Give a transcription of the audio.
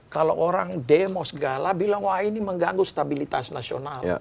kalau orang demo segala bilang wah ini mengganggu stabilitas nasional